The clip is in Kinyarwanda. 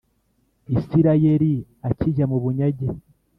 isirayeli akijya mu bunyage